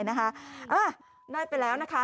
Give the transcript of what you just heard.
ได้ไปแล้วนะคะ